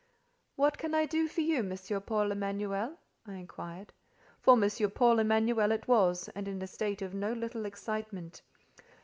"What can I do for you, M. Paul Emanuel?" I inquired: for M. Paul Emanuel it was, and in a state of no little excitement.